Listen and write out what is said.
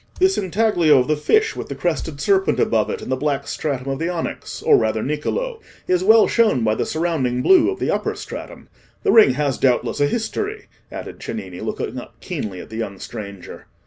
This intaglio of the fish with the crested serpent above it, in the black stratum of the onyx, or rather nicolo, is well shown by the surrounding blue of the upper stratum. The ring has, doubtless, a history?" added Cennini, looking up keenly at the young stranger.